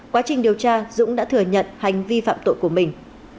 quá trình điều tra dũng đã thừa nhận hành vi phạm tội của mình